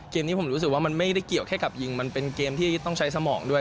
เกมนี้ผมรู้สึกว่ามันไม่ได้เกี่ยวแค่กับยิงมันเป็นเกมที่ต้องใช้สมองด้วย